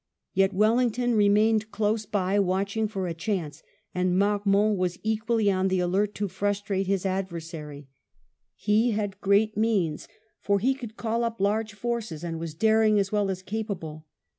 Yet Wellington re mained close by watching for a chance, and Marmont was equally on the alert to frustrate his adversary. He had great means, for he could call up large forces, and was daring as well as capable.